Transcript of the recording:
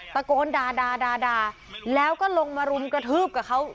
ตะโกนด่าแล้วก็ลงมารุมกระทืบกับเขา